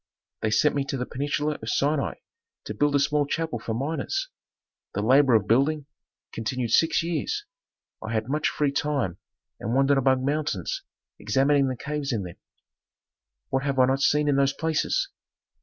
They sent me to the peninsula of Sinai to build a small chapel for miners. The labor of building continued six years. I had much free time and wandered among mountains, examining the caves in them. "What have I not seen in those places!